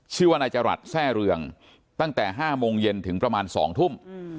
ชื่อว่านายจรัสแทร่เรืองตั้งแต่๕โมงเย็นถึงประมาณ๒ทุ่ม